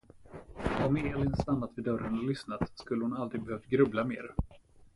Om Elin stannat vid dörren och lyssnat, skulle hon aldrig behövt grubbla mer.